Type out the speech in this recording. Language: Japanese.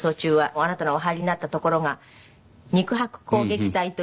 あなたのお入りになったところが肉薄攻撃隊という。